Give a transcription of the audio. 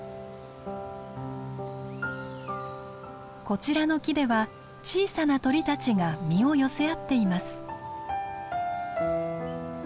こちらの木では小さな鳥たちが身を寄せ合っています。